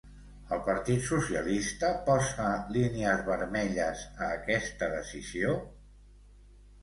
El partit socialista posa línies vermelles a aquesta decisió?